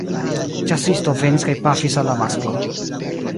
Ĉasisto venis kaj pafis al la masklo.